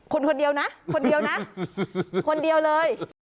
คุณคนเดียวนะคนเดียวนะคนเดียวเลย